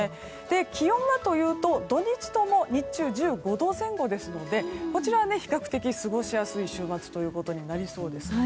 気温はというと土日とも日中１５度前後ですので比較的過ごしやすい週末となりそうです。